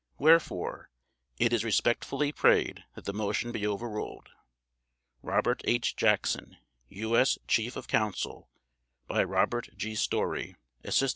WHEREFORE, it is respectfully prayed that the Motion be overruled. ROBERT H. JACKSON U. S. Chief of Counsel by /s/ ROBERT G. STOREY Asst.